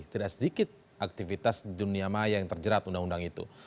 tidak sedikit aktivitas dunia maya yang terjerat undang undang itu